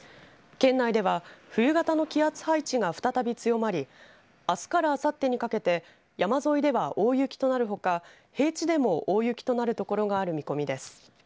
県内では冬型の気圧配置が再び強まりあすからあさってにかけて山沿いでは大雪となるほか平地でも大雪となる所がある見込みです。